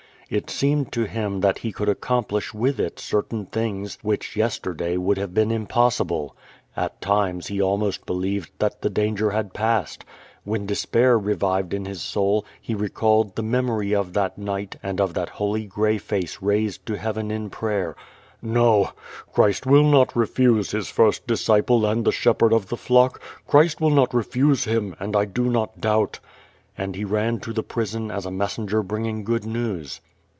It seemed to him thai he could accomplish with it certain things which yesterday would have been impossible. At times he almost believed that the danger had passed. When despair revived in his soul he recalled the memory of that night and of that holy gray face raised to heaven in prayer. Xo! Christ will not refuse his first disciple and the shepherd of the tlock. Christ will not refuse him, and 1 do not doubt." And he ran to the prison as a messenger bringing good news.